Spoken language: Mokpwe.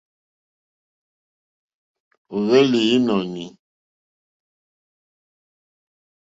Ó hwélì ìnɔ̀ní.